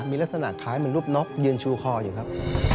มีลักษณะคล้ายเหมือนรูปนกยืนชูคออยู่ครับ